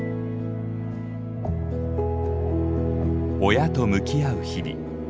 親と向き合う日々。